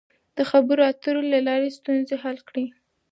د خبرو اترو له لارې ستونزې حل کړئ.